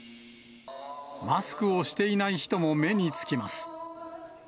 マスクをしていない人も目につきます。